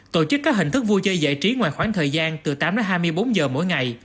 tổ chức các hình thức vui chơi dễ trí ngoài khoảng thời gian từ tám h hai mươi bốn h mỗi ngày